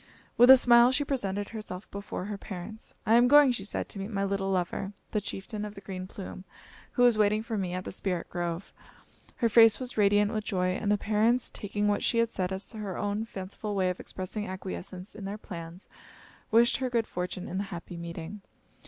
With a smile, she presented herself before her parents. "I am going," she said, "to meet my little lover, the Chieftain of the Green Plume, who is waiting for me at the Spirit Grove." Her face was radiant with joy, and the parents, taking what she had said as her own fanciful way of expressing acquiescence in their plans, wished her good fortune in the happy meeting.